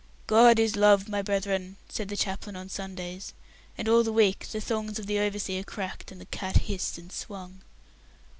"God is love, my brethren," said the chaplain on Sundays, and all the week the thongs of the overseer cracked, and the cat hissed and swung.